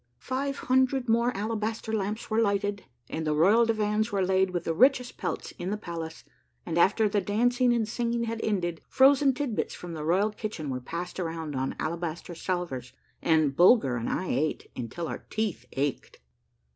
Five hundred more alabaster lamps were lighted, and the royal divans were laid with the richest pelts in the pal ace, and after the dancing and singing had ended, frozen tidbits from the royal kitchen were passed around on alabaster salvers, and Bulger and I ate until our teeth ached.